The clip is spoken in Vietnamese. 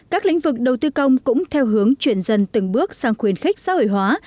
các lĩnh vực đầu tư công cũng theo hướng chuyển dần từng bước sang khuyến khích xã hội hóa